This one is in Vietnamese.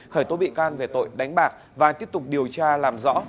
khởi tố bị can về tội đánh bạc và tiếp tục điều tra làm rõ